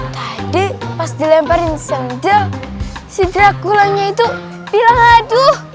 tadi pas dilemparin sendal si dracula nya itu bilang aduh